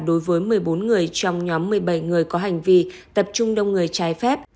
đối với một mươi bốn người trong nhóm một mươi bảy người có hành vi tập trung đông người trái phép